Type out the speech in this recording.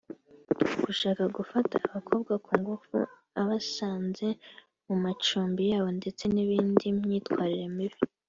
gushaka gufata abakobwa ku ngufu abasanze mu macumbi yabo ndetse n’indi myitwarire mibi